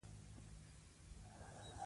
په هر سفر کې مو ملګرې ده.